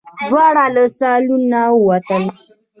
دواړه له سالونه ووتل.